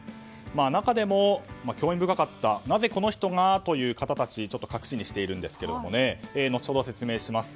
中でも興味深かったなぜ、この人がという方たち隠しにしているんですけど後ほど、説明します。